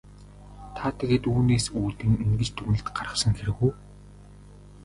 Та тэгээд үүнээс үүдэн ингэж дүгнэлт гаргасан хэрэг үү?